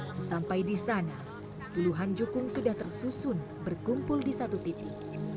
sesampai di sana puluhan jukung sudah tersusun berkumpul di satu titik